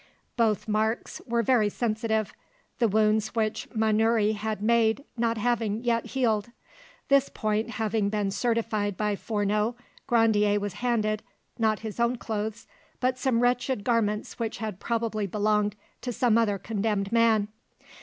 Both marks were very sensitive, the wounds which Mannouri had made not having yet healed. This point having been certified by Fourneau, Grandier was handed, not his own clothes, but some wretched garments which had probably belonged to some other condemned man.